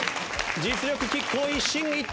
実力拮抗一進一退